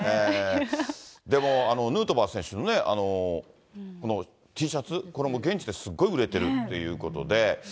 でもヌートバー選手のＴシャツ、これも現地ですごい売れてるっていうことで。